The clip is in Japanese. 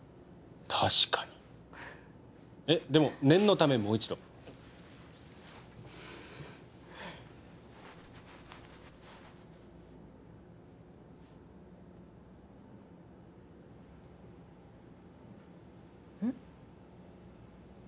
確かにえっでも念のためもう一度うん？